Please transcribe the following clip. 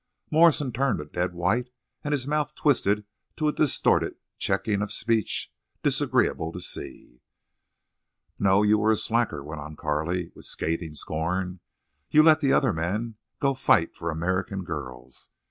_" Morrison turned a dead white, and his mouth twisted to a distorted checking of speech, disagreeable to see. "No, you were a slacker," went on Carley, with scathing scorn. "You let the other men go fight for American girls.